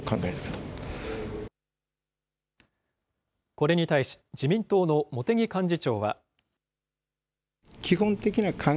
これに対し、自民党の茂木幹事長は。